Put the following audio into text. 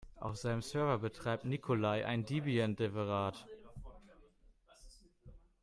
Auf seinem Server betreibt Nikolai ein Debian-Derivat.